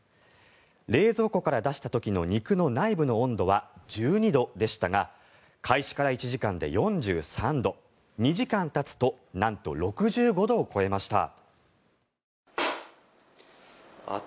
冷蔵庫から出した時の肉の内部の温度は１２度でしたが開始から１時間で４３度２時間たつとなんと６５度を超えました。